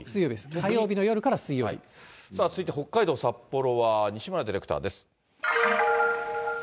火曜日の夜から続いて北海道札幌は西村ディレクターです。